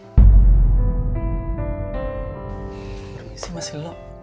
permisi masih lelok